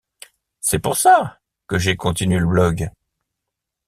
C’est pour ça que j’ai continué le blog.